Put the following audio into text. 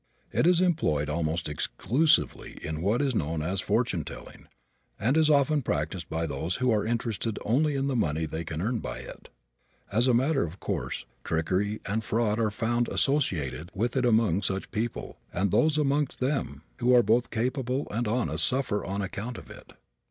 It is employed almost exclusively in what is known as "fortune telling" and is often practiced by those who are interested only in the money they can earn by it. As a matter of course, trickery and fraud are found associated with it among such people, and those amongst them who are both capable and honest suffer on account of it.